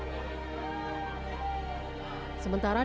sementara di taman pemakaman umum pedurenan mustika jaya kota bekasi jawa barat